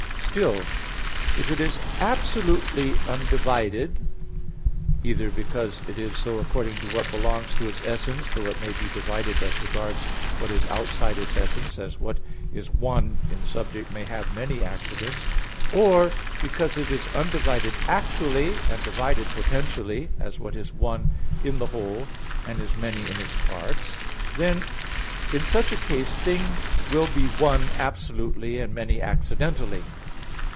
Still, if it is absolutely undivided, either because it is so according to what belongs to its essence, though it may be divided as regards what is outside its essence, as what is one in subject may have many accidents; or because it is undivided actually, and divided potentially, as what is "one" in the whole, and is "many" in parts; in such a case a thing will be "one" absolutely and "many" accidentally.